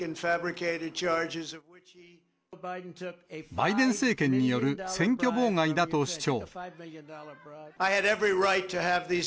バイデン政権による選挙妨害だと主張。